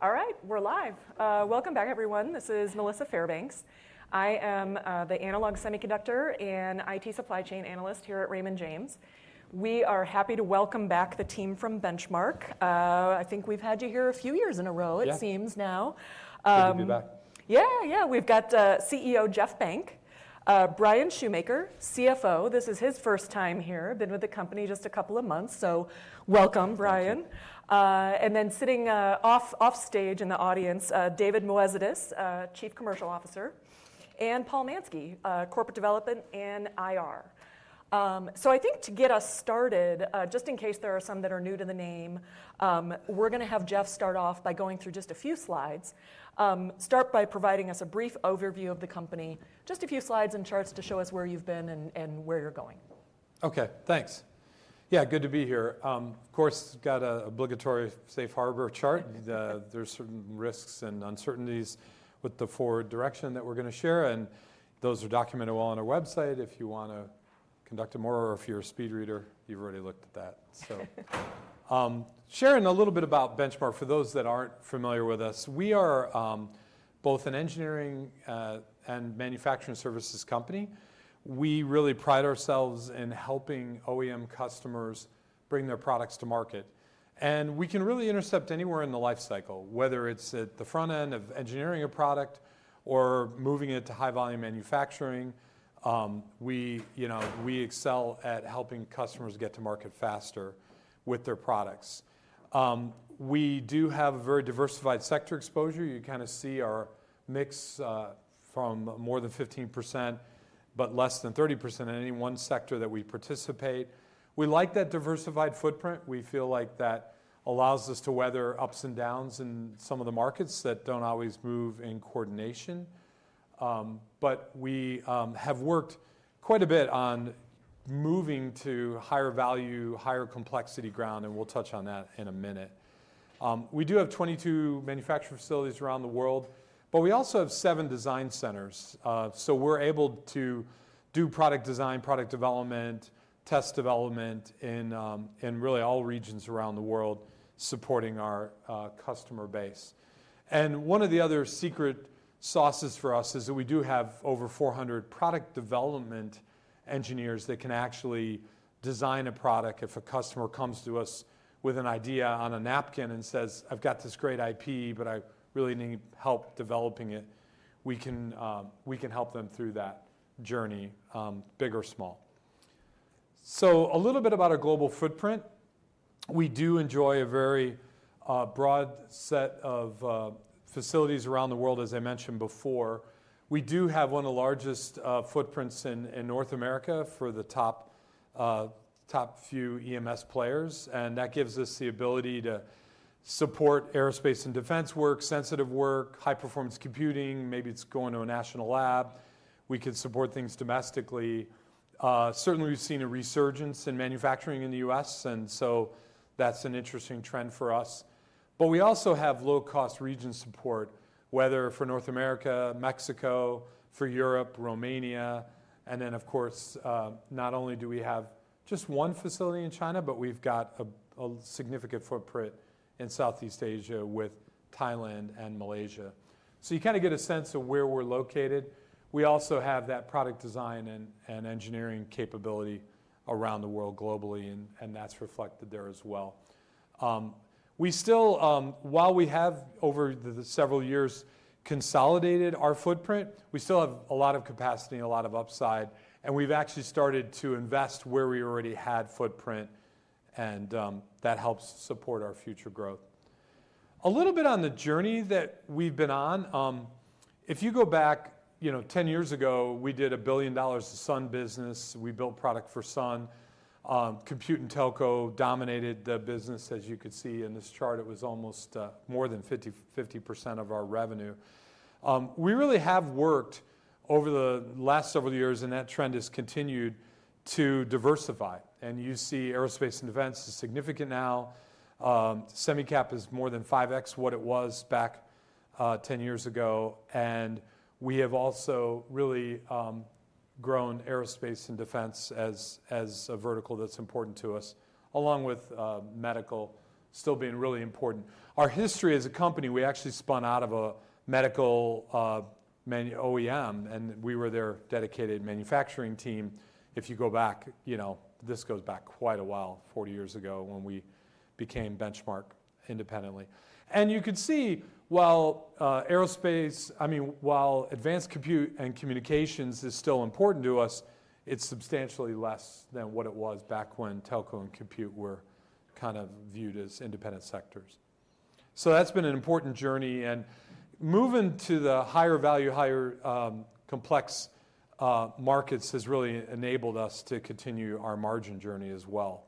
All right, we're live. Welcome back, everyone. This is Melissa Fairbanks. I am the Analog Semiconductor and IT Supply Chain Analyst here at Raymond James. We are happy to welcome back the team from Benchmark. I think we've had you here a few years in a row, it seems now. Good to be back. Yeah, yeah. We've got CEO Jeff Benck, Bryan Schumaker, CFO. This is his first time here. Been with the company just a couple of months. So welcome, Bryan. And then sitting offstage in the audience, David Moezidis, Chief Commercial Officer, and Paul Mansky, Corporate Development and IR. So I think to get us started, just in case there are some that are new to the name, we're going to have Jeff start off by going through just a few slides. Start by providing us a brief overview of the company. Just a few slides and charts to show us where you've been and where you're going. OK, thanks. Yeah, good to be here. Of course, got an obligatory safe harbor chart. There's certain risks and uncertainties with the forward direction that we're going to share, and those are documented well on our website, if you want to conduct a more, or if you're a speed reader, you've already looked at that, so sharing a little bit about Benchmark, for those that aren't familiar with us, we are both an engineering and manufacturing services company. We really pride ourselves in helping OEM customers bring their products to market. And we can really intercept anywhere in the lifecycle, whether it's at the front end of engineering a product or moving it to high-volume manufacturing. We excel at helping customers get to market faster with their products. We do have a very diversified sector exposure. You kind of see our mix from more than 15%, but less than 30% in any one sector that we participate. We like that diversified footprint. We feel like that allows us to weather ups and downs in some of the markets that don't always move in coordination, but we have worked quite a bit on moving to higher value, higher complexity ground, and we'll touch on that in a minute. We do have 22 manufacturing facilities around the world, but we also have seven design centers, so we're able to do product design, product development, test development, and really all regions around the world supporting our customer base, and one of the other secret sauces for us is that we do have over 400 product development engineers that can actually design a product. If a customer comes to us with an idea on a napkin and says, I've got this great IP, but I really need help developing it, we can help them through that journey, big or small. So a little bit about our global footprint. We do enjoy a very broad set of facilities around the world, as I mentioned before. We do have one of the largest footprints in North America for the top few EMS players. And that gives us the ability to support aerospace and defense work, sensitive work, high-performance computing. Maybe it's going to a national lab. We can support things domestically. Certainly, we've seen a resurgence in manufacturing in the U.S. And so that's an interesting trend for us. But we also have low-cost region support, whether for North America, Mexico, for Europe, Romania. And then, of course, not only do we have just one facility in China, but we've got a significant footprint in Southeast Asia with Thailand and Malaysia. So you kind of get a sense of where we're located. We also have that product design and engineering capability around the world globally. And that's reflected there as well. While we have, over the several years, consolidated our footprint, we still have a lot of capacity and a lot of upside. And we've actually started to invest where we already had footprint. And that helps support our future growth. A little bit on the journey that we've been on. If you go back 10 years ago, we did $1 billion to Sun business. We built product for Sun. Compute and telco dominated the business, as you could see in this chart. It was almost more than 50% of our revenue. We really have worked over the last several years. And that trend has continued to diversify. And you see aerospace and defense is significant now. Semi-cap is more than 5x what it was back 10 years ago. And we have also really grown aerospace and defense as a vertical that's important to us, along with medical still being really important. Our history as a company, we actually spun out of a medical OEM. And we were their dedicated manufacturing team. If you go back, this goes back quite a while, 40 years ago, when we became Benchmark independently. And you could see, while aerospace, I mean, while advanced compute and communications is still important to us, it's substantially less than what it was back when telco and compute were kind of viewed as independent sectors. So that's been an important journey. Moving to the higher value, higher complex markets has really enabled us to continue our margin journey as well,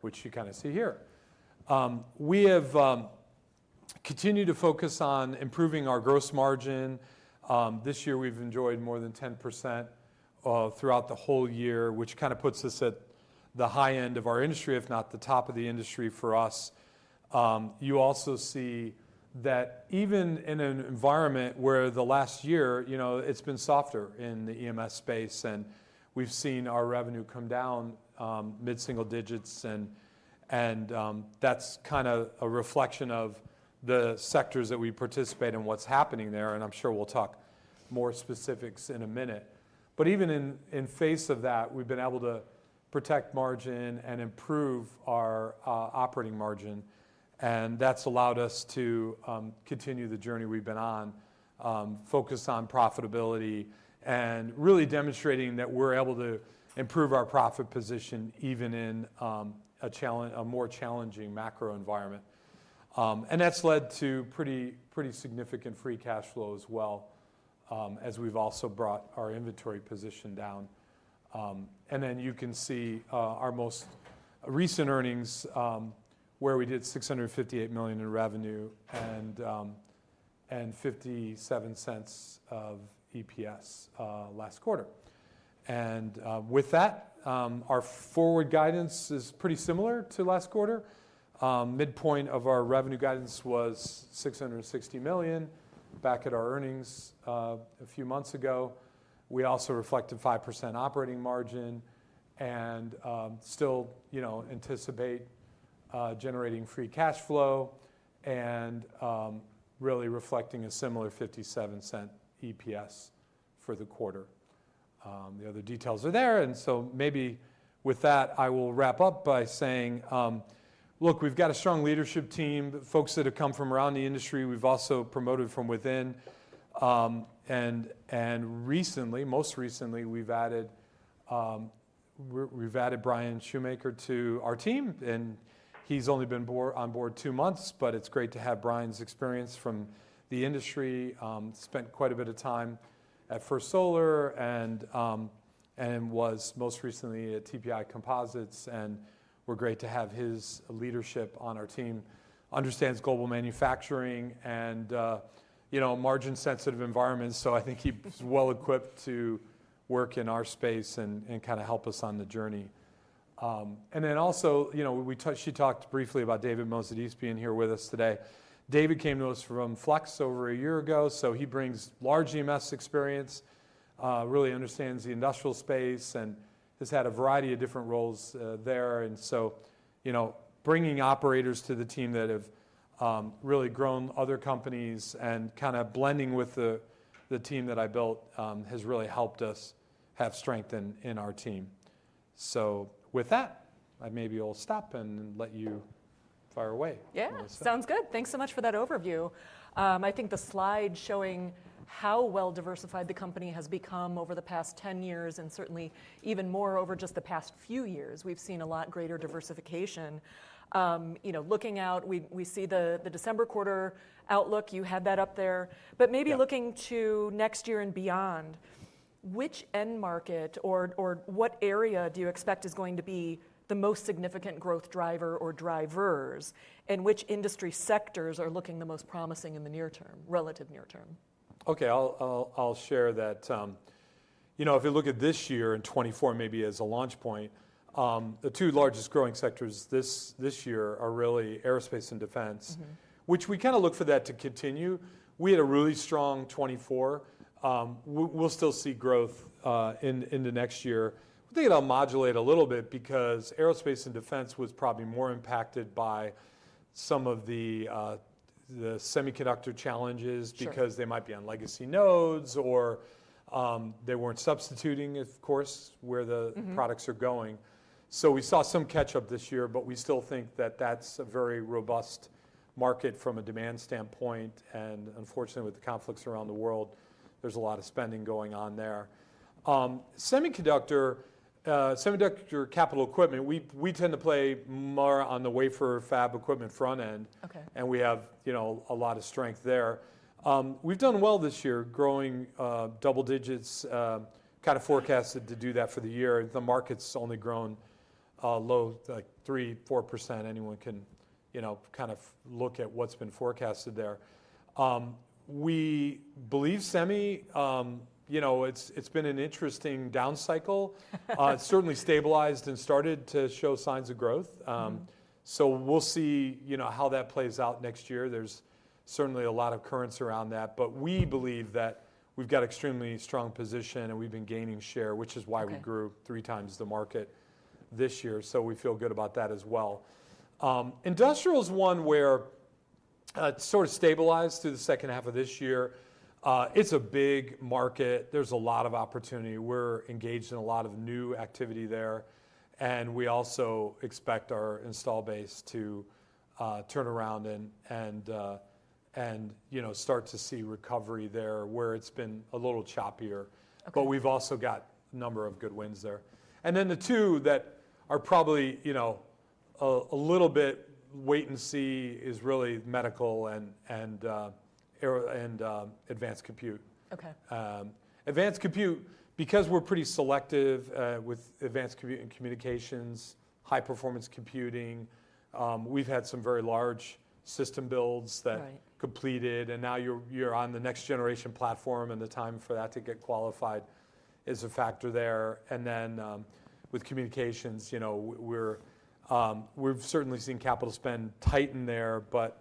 which you kind of see here. We have continued to focus on improving our gross margin. This year, we've enjoyed more than 10% throughout the whole year, which kind of puts us at the high end of our industry, if not the top of the industry for us. You also see that even in an environment where the last year, it's been softer in the EMS space. We've seen our revenue come down mid-single digits. That's kind of a reflection of the sectors that we participate in and what's happening there. I'm sure we'll talk more specifics in a minute. Even in face of that, we've been able to protect margin and improve our operating margin. And that's allowed us to continue the journey we've been on, focused on profitability and really demonstrating that we're able to improve our profit position even in a more challenging macro environment. And that's led to pretty significant free cash flow as well, as we've also brought our inventory position down. And then you can see our most recent earnings, where we did $658 million in revenue and $0.57 of EPS last quarter. And with that, our forward guidance is pretty similar to last quarter. Midpoint of our revenue guidance was $660 million back at our earnings a few months ago. We also reflected 5% operating margin and still anticipate generating free cash flow and really reflecting a similar $0.57 EPS for the quarter. The other details are there. And so maybe with that, I will wrap up by saying, look, we've got a strong leadership team, folks that have come from around the industry. We've also promoted from within. And most recently, we've added Bryan Schumaker to our team. And he's only been on board two months. But it's great to have Bryan's experience from the industry. Spent quite a bit of time at First Solar and was most recently at TPI Composites. And we're great to have his leadership on our team. Understands global manufacturing and margin-sensitive environments. So I think he's well equipped to work in our space and kind of help us on the journey. And then also, she talked briefly about David Moezidis being here with us today. David came to us from Flex over a year ago. So he brings large EMS experience, really understands the industrial space, and has had a variety of different roles there. And so bringing operators to the team that have really grown other companies and kind of blending with the team that I built has really helped us have strength in our team. So with that, I maybe will stop and let you fire away. Yeah, sounds good. Thanks so much for that overview. I think the slide showing how well diversified the company has become over the past 10 years and certainly even more over just the past few years, we've seen a lot greater diversification. Looking out, we see the December quarter outlook. You had that up there. But maybe looking to next year and beyond, which end market or what area do you expect is going to be the most significant growth driver or drivers? And which industry sectors are looking the most promising in the near term, relative near term? OK, I'll share that. If you look at this year and 2024 maybe as a launch point, the two largest growing sectors this year are really aerospace and defense, which we kind of look for that to continue. We had a really strong 2024. We'll still see growth in the next year. I think it'll modulate a little bit because aerospace and defense was probably more impacted by some of the semiconductor challenges because they might be on legacy nodes or they weren't substituting, of course, where the products are going. So we saw some catch-up this year. But we still think that that's a very robust market from a demand standpoint. And unfortunately, with the conflicts around the world, there's a lot of spending going on there. Semiconductor capital equipment, we tend to play more on the wafer fab equipment front end. We have a lot of strength there. We've done well this year, growing double digits, kind of forecasted to do that for the year. The market's only grown low, like 3%, 4%. Anyone can kind of look at what's been forecasted there. We believe semi, it's been an interesting down cycle. It's certainly stabilized and started to show signs of growth. We'll see how that plays out next year. There's certainly a lot of currents around that. We believe that we've got an extremely strong position. We've been gaining share, which is why we grew three times the market this year. We feel good about that as well. Industrial is one where it's sort of stabilized through the second half of this year. It's a big market. There's a lot of opportunity. We're engaged in a lot of new activity there. And we also expect our install base to turn around and start to see recovery there, where it's been a little choppier. But we've also got a number of good wins there. And then the two that are probably a little bit wait and see is really medical and advanced compute. Advanced compute, because we're pretty selective with advanced compute and communications, high-performance computing, we've had some very large system builds that completed. And now you're on the next generation platform. And the time for that to get qualified is a factor there. And then with communications, we've certainly seen capital spend tighten there. But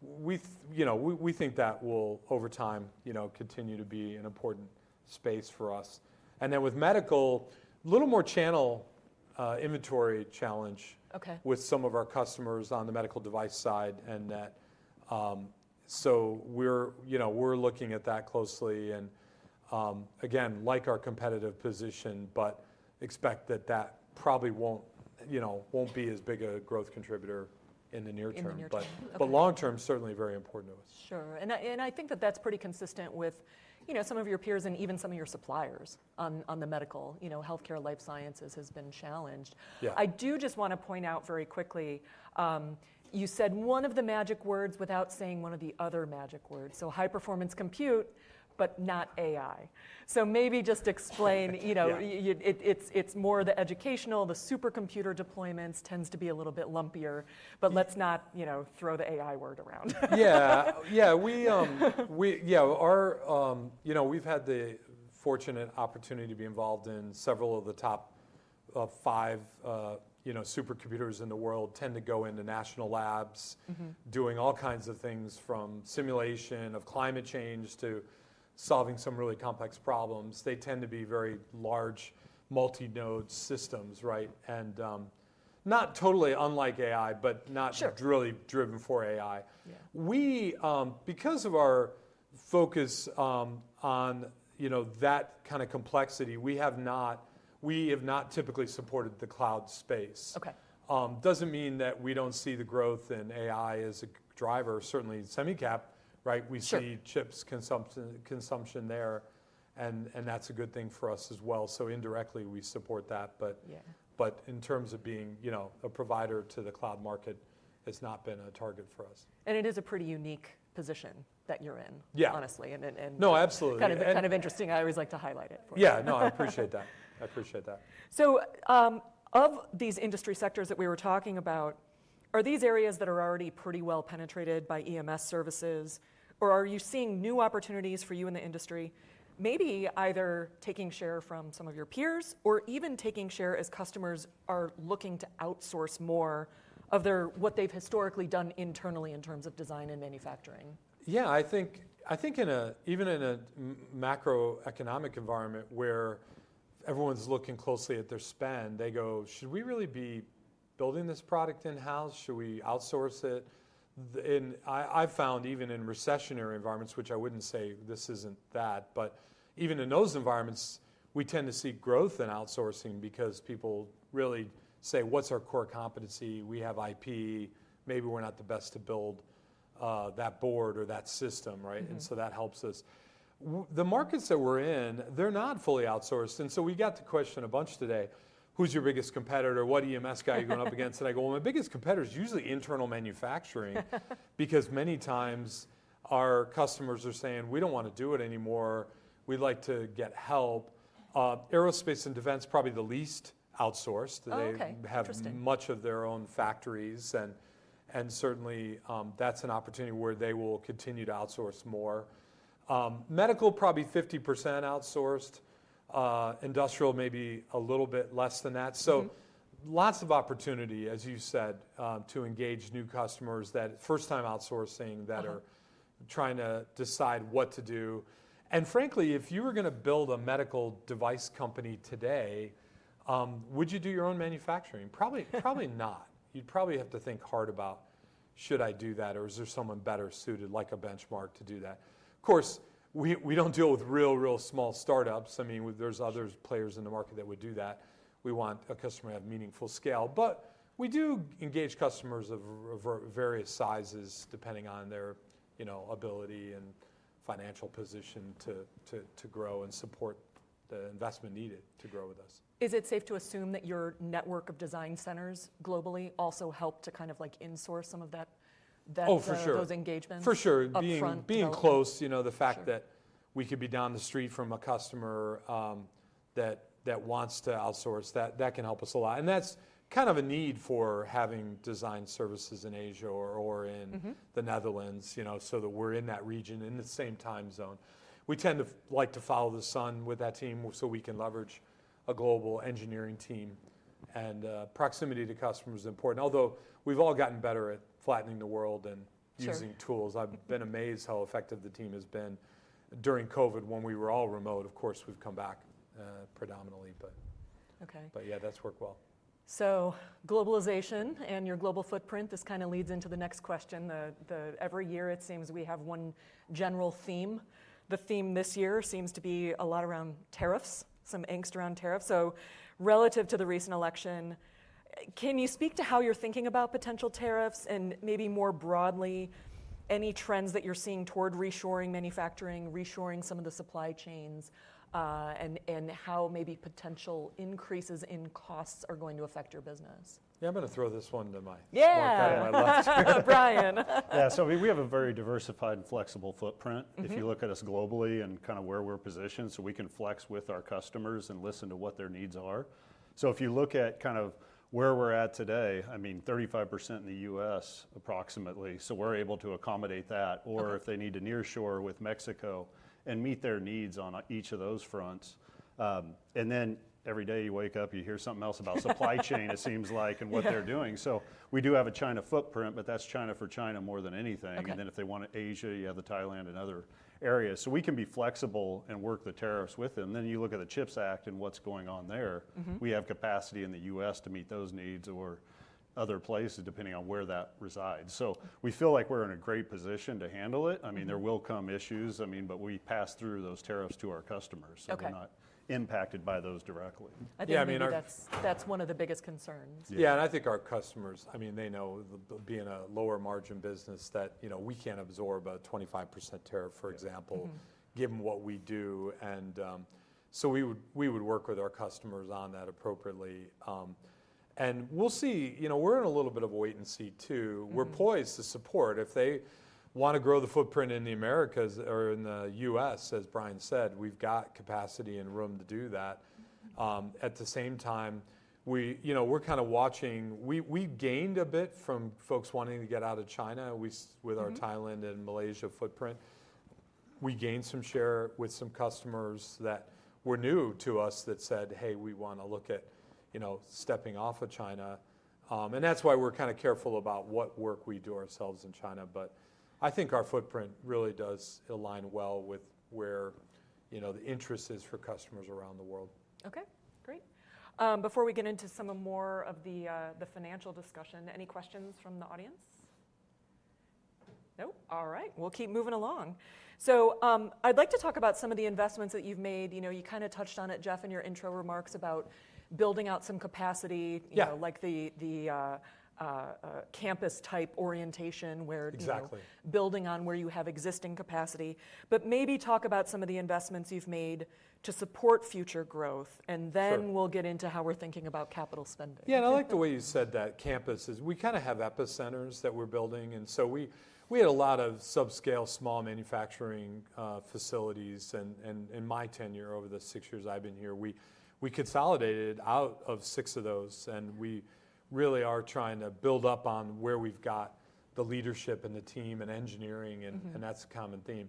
we think that will, over time, continue to be an important space for us. And then with medical, a little more channel inventory challenge with some of our customers on the medical device side and that. So we're looking at that closely. And again, like our competitive position, but expect that that probably won't be as big a growth contributor in the near term. But long term, certainly very important to us. Sure. And I think that that's pretty consistent with some of your peers and even some of your suppliers on the medical, health care, life sciences has been challenged. I do just want to point out very quickly, you said one of the magic words without saying one of the other magic words. So high-performance compute, but not AI. So maybe just explain. It's more of the educational. The supercomputer deployments tends to be a little bit lumpier. But let's not throw the AI word around. Yeah, yeah. We've had the fortunate opportunity to be involved in several of the top five supercomputers in the world. They tend to go into national labs, doing all kinds of things from simulation of climate change to solving some really complex problems. They tend to be very large multi-node systems, right, and not totally unlike AI, but not really driven for AI. Because of our focus on that kind of complexity, we have not typically supported the cloud space. Doesn't mean that we don't see the growth in AI as a driver, certainly in Semi-cap. We see chips consumption there, and that's a good thing for us as well, so indirectly, we support that, but in terms of being a provider to the cloud market, it's not been a target for us. It is a pretty unique position that you're in, honestly. Yeah, no, absolutely. Kind of interesting. I always like to highlight it. Yeah, no, I appreciate that. I appreciate that. So of these industry sectors that we were talking about, are these areas that are already pretty well penetrated by EMS services? Or are you seeing new opportunities for you in the industry, maybe either taking share from some of your peers or even taking share as customers are looking to outsource more of what they've historically done internally in terms of design and manufacturing? Yeah, I think even in a macroeconomic environment where everyone's looking closely at their spend, they go, should we really be building this product in-house? Should we outsource it? And I've found even in recessionary environments, which I wouldn't say this isn't that, but even in those environments, we tend to see growth in outsourcing because people really say, what's our core competency? We have IP. Maybe we're not the best to build that board or that system, right? And so that helps us. The markets that we're in, they're not fully outsourced. And so we got to question a bunch today. Who's your biggest competitor? What EMS guy are you going up against? And I go, well, my biggest competitor is usually internal manufacturing because many times our customers are saying, we don't want to do it anymore. We'd like to get help. Aerospace and defense is probably the least outsourced. They have much of their own factories. And certainly, that's an opportunity where they will continue to outsource more. Medical, probably 50% outsourced. Industrial, maybe a little bit less than that. So lots of opportunity, as you said, to engage new customers that are first-time outsourcing that are trying to decide what to do. And frankly, if you were going to build a medical device company today, would you do your own manufacturing? Probably not. You'd probably have to think hard about, should I do that? Or is there someone better suited, like a Benchmark, to do that? Of course, we don't deal with real, real small startups. I mean, there's other players in the market that would do that. We want a customer to have meaningful scale. But we do engage customers of various sizes depending on their ability and financial position to grow and support the investment needed to grow with us. Is it safe to assume that your network of design centers globally also helped to kind of like insource some of that, those engagements? Oh, for sure. For sure. Being close, the fact that we could be down the street from a customer that wants to outsource, that can help us a lot, and that's kind of a need for having design services in Asia or in the Netherlands so that we're in that region in the same time zone. We tend to like to follow the sun with that team so we can leverage a global engineering team, and proximity to customers is important. Although we've all gotten better at flattening the world and using tools, I've been amazed how effective the team has been. During COVID, when we were all remote, of course, we've come back predominantly, but yeah, that's worked well. So, globalization and your global footprint, this kind of leads into the next question. Every year, it seems we have one general theme. The theme this year seems to be a lot around tariffs, some angst around tariffs. So, relative to the recent election, can you speak to how you're thinking about potential tariffs and maybe more broadly, any trends that you're seeing toward reshoring manufacturing, reshoring some of the supply chains, and how maybe potential increases in costs are going to affect your business? Yeah, I'm going to throw this one to my guy. Yeah, Bryan. Yeah, so we have a very diversified and flexible footprint. If you look at us globally and kind of where we're positioned, so we can flex with our customers and listen to what their needs are. So if you look at kind of where we're at today, I mean, 35% in the U.S., approximately. So we're able to accommodate that. Or if they need to nearshore with Mexico and meet their needs on each of those fronts. And then every day you wake up, you hear something else about supply chain, it seems like, and what they're doing. So we do have a China footprint, but that's China for China more than anything. And then if they want to Asia, you have the Thailand and other areas. So we can be flexible and work the tariffs with them. Then you look at the CHIPS Act and what's going on there. We have capacity in the U.S. to meet those needs or other places, depending on where that resides. So we feel like we're in a great position to handle it. I mean, there will come issues. I mean, but we pass through those tariffs to our customers. So we're not impacted by those directly. Yeah, I mean, that's one of the biggest concerns. Yeah, and I think our customers, I mean, they know being a lower margin business that we can't absorb a 25% tariff, for example, given what we do. And so we would work with our customers on that appropriately. And we'll see. We're in a little bit of a wait and see too. We're poised to support. If they want to grow the footprint in the Americas or in the U.S., as Bryan said, we've got capacity and room to do that. At the same time, we're kind of watching. We gained a bit from folks wanting to get out of China with our Thailand and Malaysia footprint. We gained some share with some customers that were new to us that said, hey, we want to look at stepping off of China. And that's why we're kind of careful about what work we do ourselves in China. But I think our footprint really does align well with where the interest is for customers around the world. OK, great. Before we get into some more of the financial discussion, any questions from the audience? No? All right, we'll keep moving along. So I'd like to talk about some of the investments that you've made. You kind of touched on it, Jeff, in your intro remarks about building out some capacity, like the campus-type orientation, where building on where you have existing capacity. But maybe talk about some of the investments you've made to support future growth. And then we'll get into how we're thinking about capital spending. Yeah, and I like the way you said that. Campuses, we kind of have epicenters that we're building. And so we had a lot of subscale, small manufacturing facilities. And in my tenure, over the six years I've been here, we consolidated out of six of those. And we really are trying to build up on where we've got the leadership and the team and engineering. And that's a common theme.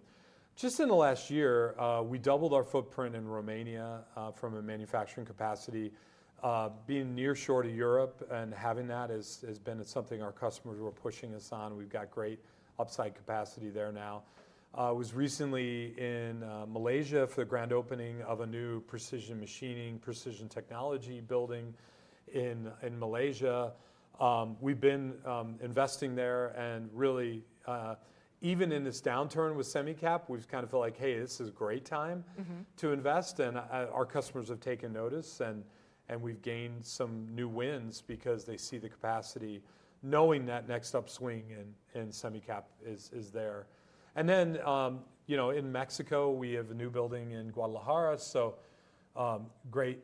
Just in the last year, we doubled our footprint in Romania from a manufacturing capacity. Being nearshore to Europe and having that has been something our customers were pushing us on. We've got great upside capacity there now. I was recently in Malaysia for the grand opening of a new precision machining, precision technology building in Malaysia. We've been investing there. And really, even in this downturn with Semi-cap, we've kind of felt like, hey, this is a great time to invest. And our customers have taken notice. And we've gained some new wins because they see the capacity, knowing that next upswing in Semi-cap is there. And then in Mexico, we have a new building in Guadalajara. So great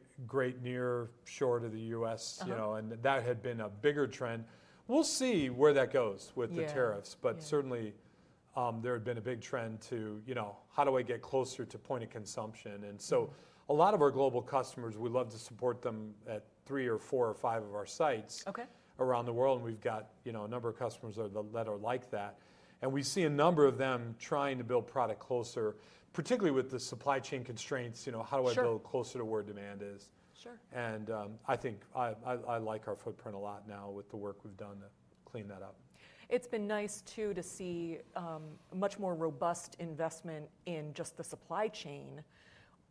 nearshore to the U.S. And that had been a bigger trend. We'll see where that goes with the tariffs. But certainly, there had been a big trend to, how do I get closer to point of consumption? And so a lot of our global customers, we love to support them at three or four or five of our sites around the world. And we've got a number of customers that are like that. And we see a number of them trying to build product closer, particularly with the supply chain constraints. How do I build closer to where demand is, and I think I like our footprint a lot now with the work we've done to clean that up. It's been nice too to see much more robust investment in just the supply chain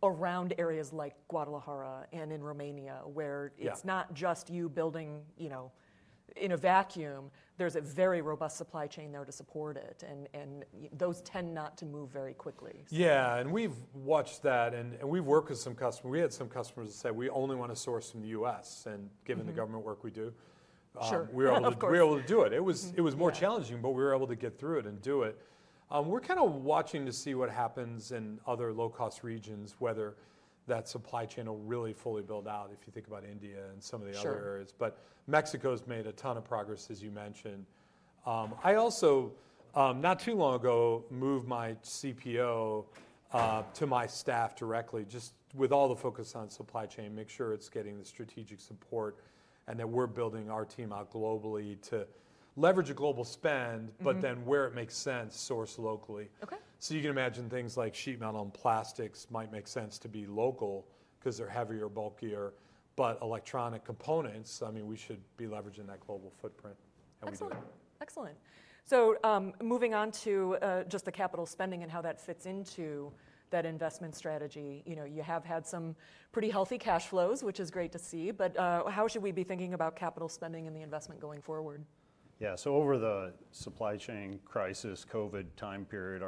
around areas like Guadalajara and in Romania, where it's not just you building in a vacuum. There's a very robust supply chain there to support it, and those tend not to move very quickly. Yeah, and we've watched that. And we've worked with some customers. We had some customers that said, we only want to source from the U.S. And given the government work we do, we were able to do it. It was more challenging, but we were able to get through it and do it. We're kind of watching to see what happens in other low-cost regions, whether that supply chain will really fully build out if you think about India and some of the other areas. But Mexico has made a ton of progress, as you mentioned. I also, not too long ago, moved my CPO to my staff directly, just with all the focus on supply chain, make sure it's getting the strategic support. And then we're building our team out globally to leverage a global spend, but then where it makes sense, source locally. So you can imagine things like sheet metal and plastics might make sense to be local because they're heavier, bulkier. But electronic components, I mean, we should be leveraging that global footprint. Excellent. So moving on to just the capital spending and how that fits into that investment strategy. You have had some pretty healthy cash flows, which is great to see. But how should we be thinking about capital spending and the investment going forward? Yeah, so over the supply chain crisis, COVID time period,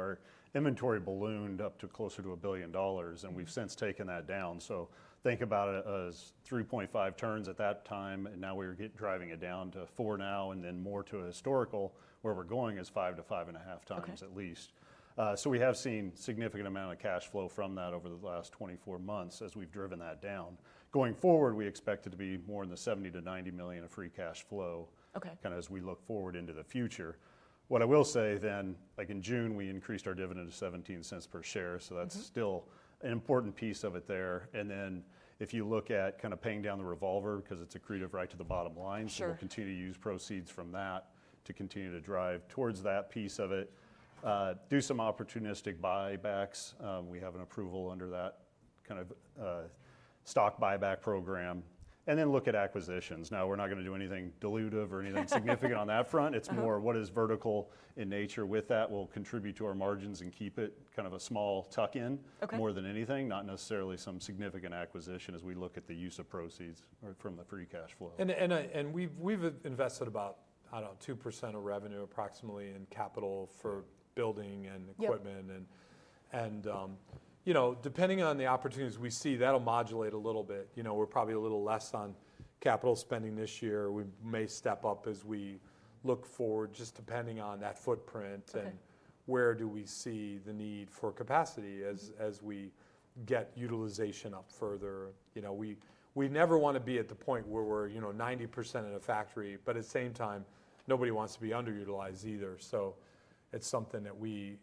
our inventory ballooned up to closer to $1 billion, and we've since taken that down. So think about it as 3.5 turns at that time, and now we're driving it down to 4 now and then more to a historical. Where we're going is 5-5.5 times at least. So we have seen a significant amount of cash flow from that over the last 24 months as we've driven that down. Going forward, we expect it to be more in the $70 million-$90 million of free cash flow kind of as we look forward into the future. What I will say then, like in June, we increased our dividend to $0.17 per share. So that's still an important piece of it there. Then, if you look at kind of paying down the revolver because it's accretive right to the bottom line, so we'll continue to use proceeds from that to continue to drive towards that piece of it. Do some opportunistic buybacks. We have an approval under that kind of stock buyback program. Then look at acquisitions. Now, we're not going to do anything dilutive or anything significant on that front. It's more what is vertical in nature with that will contribute to our margins and keep it kind of a small tuck-in more than anything, not necessarily some significant acquisition as we look at the use of proceeds from the free cash flow. We've invested about, I don't know, 2% of revenue approximately in capital for building and equipment. Depending on the opportunities we see, that'll modulate a little bit. We're probably a little less on capital spending this year. We may step up as we look forward, just depending on that footprint and where do we see the need for capacity as we get utilization up further. We never want to be at the point where we're 90% in a factory. But at the same time, nobody wants to be underutilized either. So it's something that we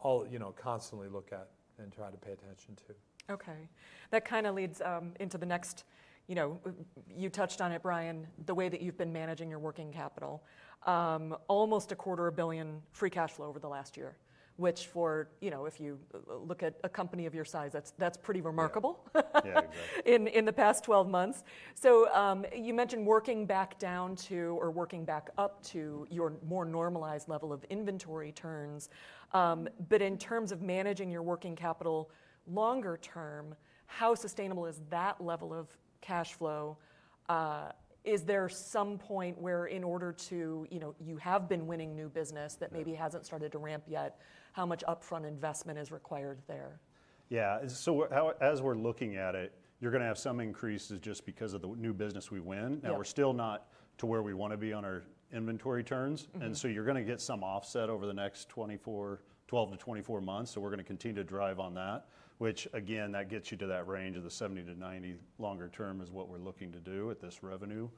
constantly look at and try to pay attention to. OK, that kind of leads into the next. You touched on it, Bryan, the way that you've been managing your working capital. Almost $250 million free cash flow over the last year, which for if you look at a company of your size, that's pretty remarkable in the past 12 months. So you mentioned working back down to or working back up to your more normalized level of inventory turns. But in terms of managing your working capital longer term, how sustainable is that level of cash flow? Is there some point where in order to you have been winning new business that maybe hasn't started to ramp yet, how much upfront investment is required there? Yeah, so as we're looking at it, you're going to have some increases just because of the new business we win. Now, we're still not to where we want to be on our inventory turns. And so you're going to get some offset over the next 12-24 months. So we're going to continue to drive on that, which again, that gets you to that range of the 70-90 longer term is what we're looking to do at this revenue.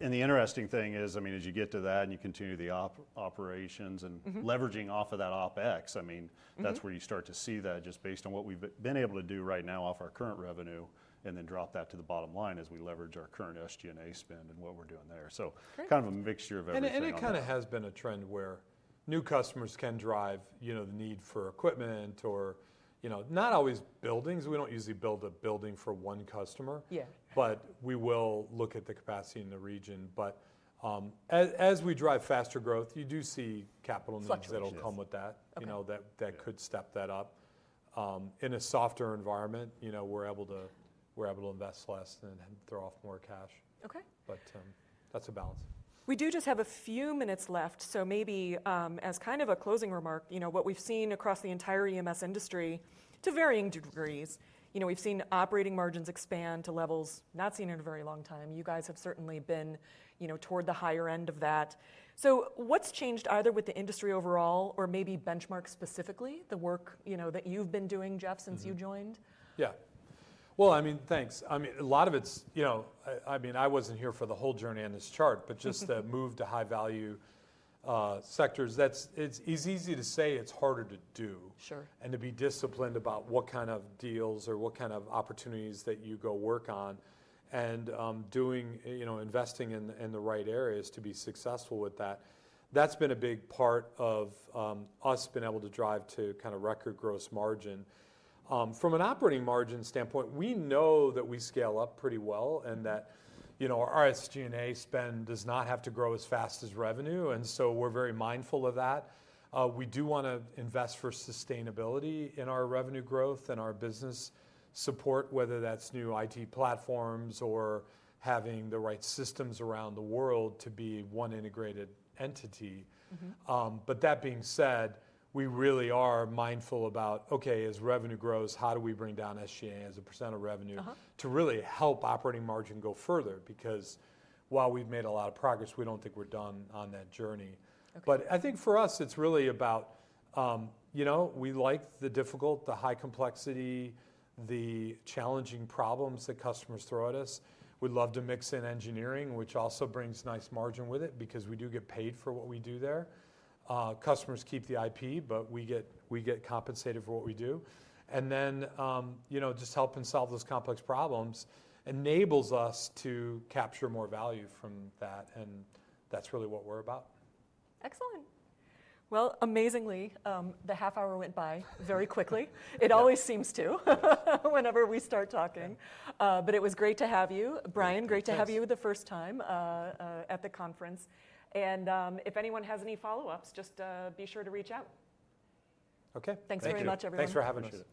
And the interesting thing is, I mean, as you get to that and you continue the operations and leveraging off of that OpEx, I mean, that's where you start to see that just based on what we've been able to do right now off our current revenue and then drop that to the bottom line as we leverage our current SG&A spend and what we're doing there. So kind of a mixture of everything. And it kind of has been a trend where new customers can drive the need for equipment or not always buildings. We don't usually build a building for one customer. But we will look at the capacity in the region. But as we drive faster growth, you do see capital needs that'll come with that that could step that up. In a softer environment, we're able to invest less and throw off more cash. But that's a balance. We do just have a few minutes left. So maybe as kind of a closing remark, what we've seen across the entire EMS industry to varying degrees, we've seen operating margins expand to levels not seen in a very long time. You guys have certainly been toward the higher end of that. So what's changed either with the industry overall or maybe Benchmark specifically, the work that you've been doing, Jeff, since you joined? Yeah, well, I mean, thanks. I mean, a lot of it's, I mean, I wasn't here for the whole journey on this chart, but just the move to high-value sectors. It's easy to say, it's harder to do and to be disciplined about what kind of deals or what kind of opportunities that you go work on, and investing in the right areas to be successful with that, that's been a big part of us being able to drive to kind of record gross margin. From an operating margin standpoint, we know that we scale up pretty well and that our SG&A spend does not have to grow as fast as revenue, and so we're very mindful of that. We do want to invest for sustainability in our revenue growth and our business support, whether that's new IT platforms or having the right systems around the world to be one integrated entity. But that being said, we really are mindful about, OK, as revenue grows, how do we bring down SG&A as a percent of revenue to really help operating margin go further? Because while we've made a lot of progress, we don't think we're done on that journey. But I think for us, it's really about we like the difficult, the high complexity, the challenging problems that customers throw at us. We'd love to mix in engineering, which also brings nice margin with it because we do get paid for what we do there. Customers keep the IP, but we get compensated for what we do. And then just helping solve those complex problems enables us to capture more value from that. And that's really what we're about. Excellent. Amazingly, the half hour went by very quickly. It always seems to whenever we start talking. It was great to have you, Bryan. Great to have you the first time at the conference. If anyone has any follow-ups, just be sure to reach out. OK, thank you. Thanks very much, everyone. Thanks for having us.